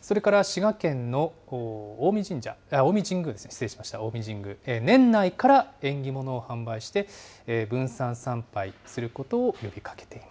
それから滋賀県の近江神宮、近江神宮、年内から縁起物を販売して、分散参拝することを呼びかけています。